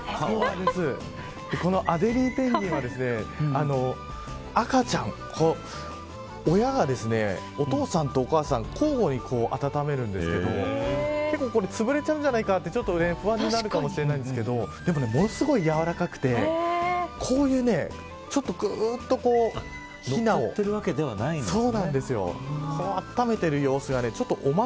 このアデリーペンギンは赤ちゃん親がお父さんとお母さん交互に温めるんですけどこれ、つぶれちゃうんじゃないかって不安になるかもしれないんですけどでも、ものすごい柔らかくてこういうちょっとぐっと、ひなを乗ってるわけではないんですね。